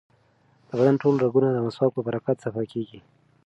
د بدن ټول رګونه د مسواک په برکت صفا کېږي.